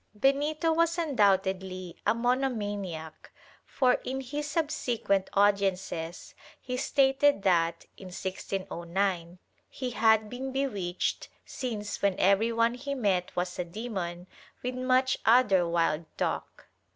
Benito was undoubtedly a monomaniac for, in his subsequent audiences, he stated that, in 1609, he had been bewitched, since when everyone he met was a demon, with much other wild talk.